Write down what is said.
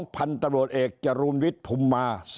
๒พันตรวจเอกจรุณวิทย์พุมมา